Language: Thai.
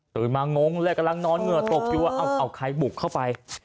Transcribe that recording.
มางงเลยกำลังนอนเหงื่อตกอยู่ว่าเอาใครบุกเข้าไป